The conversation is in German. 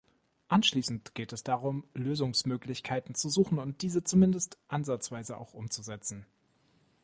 Anschließend geht es darum, Lösungsmöglichkeiten zu suchen und diese zumindest ansatzweise auch umzusetzen.